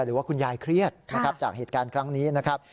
หรือว่าคุณยายเครียดนะครับจากเหตุการณ์ครั้งนี้นะครับ